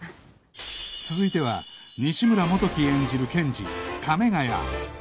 続いては西村元貴演じる検事亀ヶ谷